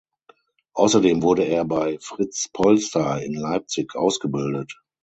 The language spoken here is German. Außerdem wurde er bei Fritz Polster in Leipzig ausgebildet.